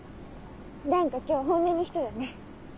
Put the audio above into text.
何か今日本音の人だね。